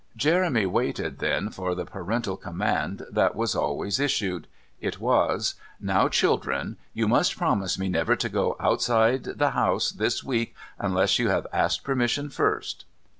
Jeremy waited then for the parental command that was always issued. It was: "Now, children, you must promise me never to go outside the house this week unless you have asked permission first."